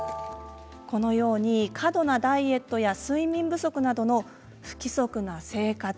過度なダイエットや睡眠不足などの不規則な生活。